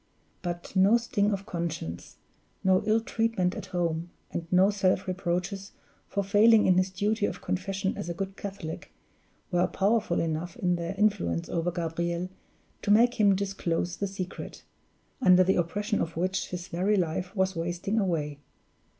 But no sting of conscience, no ill treatment at home, and no self reproaches for failing in his duty of confession as a good Catholic, were powerful enough in their influence over Gabriel to make him disclose the secret, under the oppression of which his very life was wasting away.